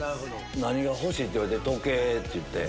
「何が欲しい？」って言われて時計！って言って。